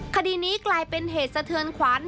คดีนี้กลายเป็นเหตุสะเทือนขวัญ